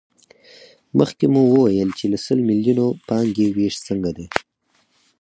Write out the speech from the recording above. مخکې مو وویل چې له سل میلیونو پانګې وېش څنګه دی